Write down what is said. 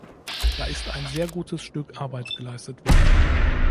Da ist ein sehr gutes Stück Arbeit geleistet worden.